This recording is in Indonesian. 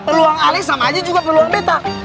peluang alih sama aja juga peluang betta